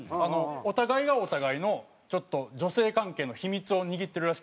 お互いがお互いのちょっと女性関係の秘密を握ってるらしくて。